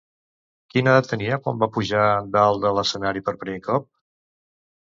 Quina edat tenia quan va pujar dalt de l'escenari per primer cop?